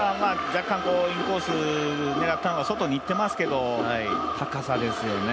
若干インコースを狙ったのが、外にいってますけど高さですよね。